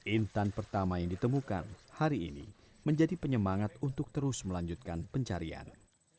intan pertama yang ditemukan hari ini menjadi penyemangat untuk terus melanjutkan pencarian